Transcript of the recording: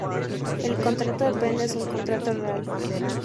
El contrato de prenda es un contrato real.